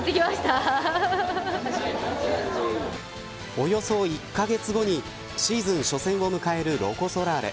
およそ１カ月後にシーズン初戦を迎えるロコ・ソラーレ。